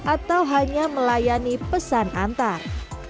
atau hanya melayani pesan antar